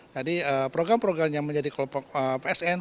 jadi program program yang menjadi psn